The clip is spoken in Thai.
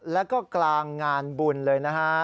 แล้วก็กลางงานบุญเลยนะฮะ